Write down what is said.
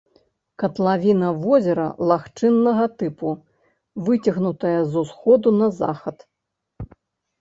Катлавіна возера лагчыннага тыпу, выцягнутая з усходу на захад.